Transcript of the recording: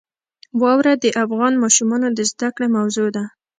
واوره د افغان ماشومانو د زده کړې موضوع ده.